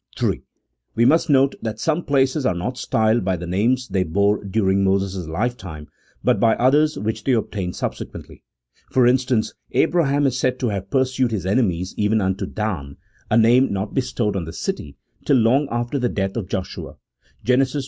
m. We must note that some places are not styled by the names they bore during Moses' lifetime, but by others which they obtained subsequently. For instance, Abraham is said to have pursued his enemies even unto Dan, a name not bestowed on the city till long after the death of Joshua (Gen. xiv.